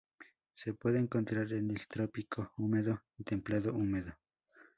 Se puede encontrar en el Trópico húmedo y Templado húmedo.